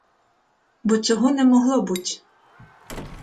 Бо цього не могло буть.